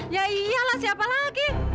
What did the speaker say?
ya iyalah siapa lagi